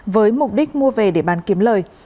với mục đích mua về để bán kiếm lời